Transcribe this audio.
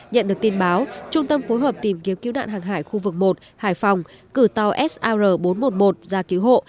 nhận được tin báo trung tâm phối hợp tìm kiếm cứu nạn hàng hải khu vực một hải phòng cử tàu sar bốn trăm một mươi một ra cứu hộ